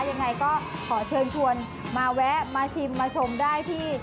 ยังไงก็ขอเชิญชวนมาแวะมาชิมมาชมได้ที่